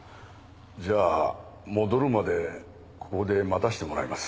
じゃあ戻るまでここで待たせてもらいます。